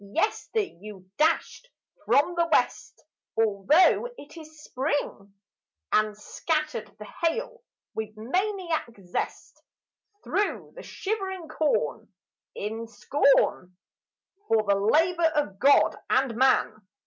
Yester you dashed from the west, Altho' it is Spring, And scattered the hail with maniac zest Thro' the shivering corn in scorn For the labour of God and man.